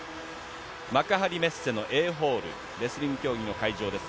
幕張メッセのＡホール、レスリング競技の会場です。